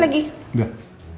mas mau jatuh